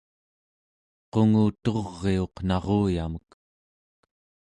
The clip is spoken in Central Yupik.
qunguturiuq naruyamek